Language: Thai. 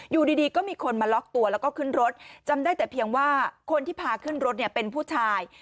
อยู่ดีก็มีคนมาล็อกตัวแล้วก็ขึ้นรถจำได้แต่เพียงว่าคนที่พาขึ้นรถเนี่ยเป็นผู้ชาย